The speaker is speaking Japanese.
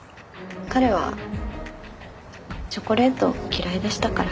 彼はチョコレート嫌いでしたから。